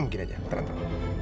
mungkin aja ntar ntar